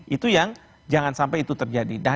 itu yang jangan sampai itu terjadi